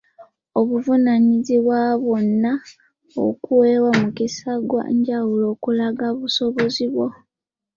Obuvunaanyizibwa bwonna obukuweebwa mukisa gwa njawulo okulaga obusobozi bwo.